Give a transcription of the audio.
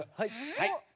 はい。